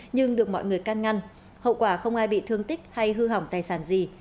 nhưng được mọi người can ngăn hậu quả không ai bị thương tích hay hư hỏng tài sản gì